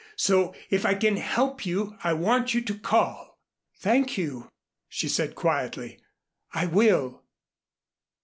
So if I can help you I want you to call." "Thank you," she said quietly, "I will."